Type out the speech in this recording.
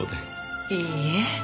いいえ。